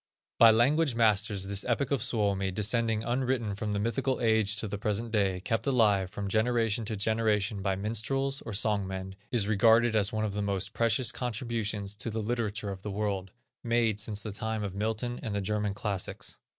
By language masters this epic of Suomi, descending unwritten from the mythical age to the present day, kept alive from generation to generation by minstrels, or song men, is regarded as one of the most precious contributions to the literature of the world, made since the time of Milton and the German classics.